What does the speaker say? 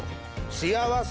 幸せ！